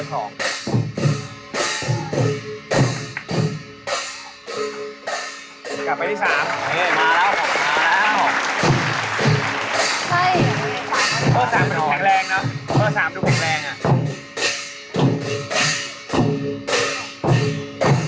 ก็กล้ายแต่ผู้หญิงที่ตรงจังหวะกว่าง